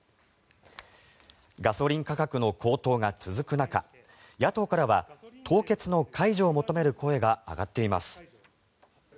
ガソリン価格の高騰が続く中野党からは凍結の解除を求める声が上がっています。